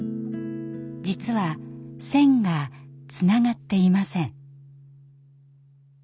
実は線がつながっていません。